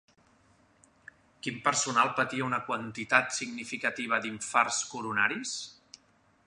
Quin personal patia una quantitat significativa d'infarts coronaris?